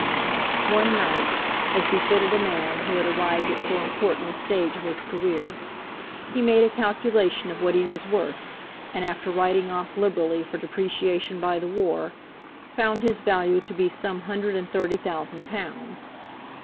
One night, as befitted a man who had arrived at so important a stage of his career, he made a calculation of what he was worth, and after writing off liberally for depreciation by the war, found his value to be some hundred and thirty thousand pounds.